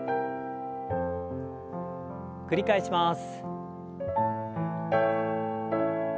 繰り返します。